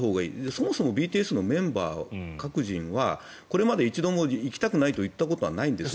そもそもＢＴＳのメンバー各人はこれまで一度も行きたくないと言ったことはないんです。